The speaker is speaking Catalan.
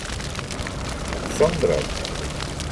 Són grocs.